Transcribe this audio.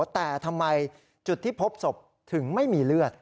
แต่ทำไมจุดที่พบศพถึงไม่มีเลือด